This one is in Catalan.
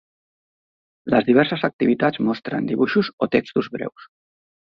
Les diverses activitats mostren dibuixos o textos breus.